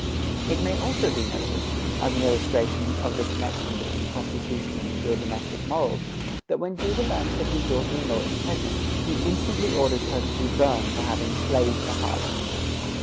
It may also be noticed, as an illustration of the connection between prostitution and pure domestic morals, that when Judah learns that his daughter in law is pregnant, he instantly orders her to be burned for having "played the harlot."